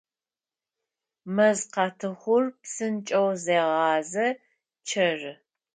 Мэзкъатыхъур псынкӏэу зегъазэ, чъэры.